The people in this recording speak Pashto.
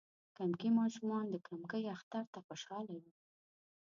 کمکي ماشومان د کمکی اختر ته خوشحاله وی.